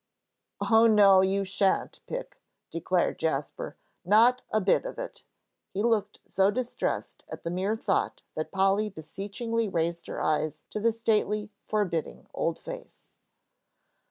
"Oh, no, you shan't, Pick," declared Jasper, "not a bit of it;" he looked so distressed at the mere thought that Polly beseechingly raised her eyes to the stately, forbidding old face.